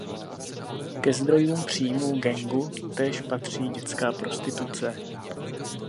Ke zdrojům příjmů gangu též patří dětská prostituce.